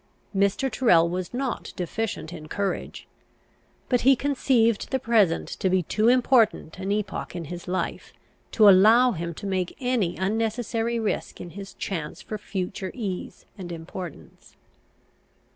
Mr. Tyrrel was not deficient in courage; but he conceived the present to be too important an epoch in his life to allow him to make any unnecessary risk in his chance for future ease and importance.